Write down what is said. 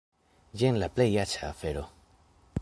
Jen la plej aĉa afero!